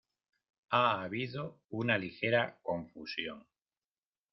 Ha habido una ligera confusión.